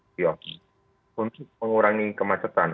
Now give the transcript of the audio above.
tiofi untuk mengurangi kemacetan